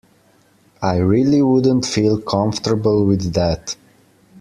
I really wouldn't feel comfortable with that.